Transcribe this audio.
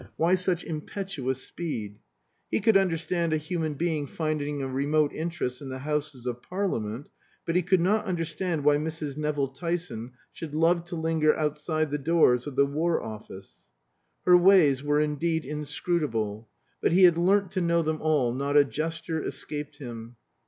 Why such impetuous speed? He could understand a human being finding a remote interest in the Houses of Parliament, but he could not understand why Mrs. Nevill Tyson should love to linger outside the doors of the War Office. Her ways were indeed inscrutable; but he had learnt to know them all, not a gesture escaped him.